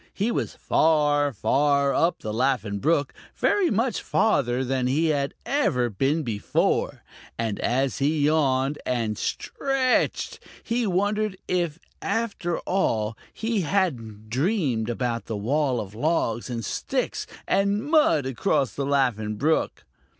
He was far, far up the Laughing Brook, very much farther than he had ever been before, and as he yawned and stretched, he wondered if after all he hadn't dreamed about the wall of logs and sticks and mud across the Laughing Brook.